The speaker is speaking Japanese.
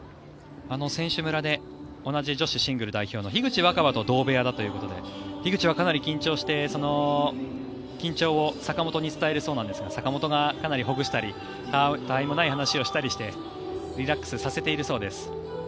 選手村で同じ女子シングル代表の樋口新葉と同部屋だということで樋口はかなり緊張して緊張を坂本に伝えるそうなんですが坂本がかなりほぐしたりたわいもない話をしたりしてリラックスさせているそうです。